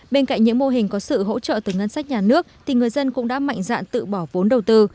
bên cạnh những mô hình có sự hỗ trợ từ ngân sách nhà nước thì người dân cũng đã mạnh dạn tự bỏ vốn đầu tư